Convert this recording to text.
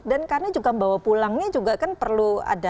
dan karena juga bawa pulangnya juga kan perlu ada